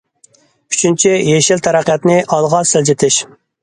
ئۈچىنچى، يېشىل تەرەققىياتنى ئالغا سىلجىتىش.